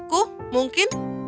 aku bisa meminta ayahku mungkin